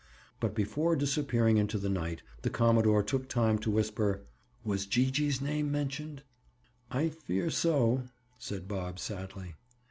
But before disappearing into the night, the commodore took time to whisper: "Was Gee gee's name mentioned?" "I fear so," said Bob sadly.